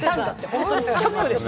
ホントにショックでした。